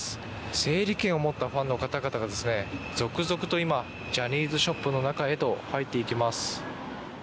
整理券を持ったファンの方々が続々と、今ジャニーズショップの中へと入っていきます。